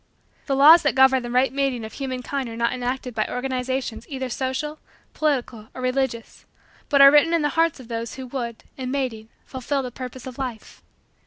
The laws that govern the right mating of human kind are not enacted by organizations either social, political, or religious, but are written in the hearts of those who would, in mating, fulfill the purpose of Life.